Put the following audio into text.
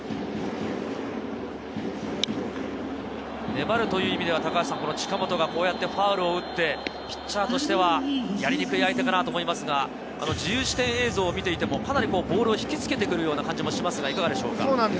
粘るという意味では近本がこうやってファウルを打ってピッチャーとしてはやりにくい相手だなと思いますが、自由視点映像を見ていてもボールを引きつけてくるような感じもしますがいかがでしょうか？